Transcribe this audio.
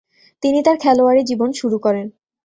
তিনি তার খেলোয়াড়ী জীবন শুরু করেন।